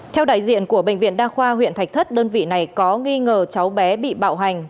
theo đại diện của bệnh viện đa khoa huyện thạch thất đơn vị này có nghi ngờ cháu bé bị bạo hành